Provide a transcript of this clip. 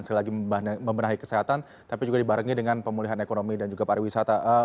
selagi membenahi kesehatan tapi juga dibarengi dengan pemulihan ekonomi dan juga pariwisata